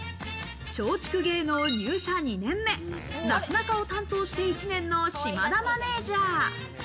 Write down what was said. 松竹芸能入社２年目、なすなかを担当して１年の島田マネジャー。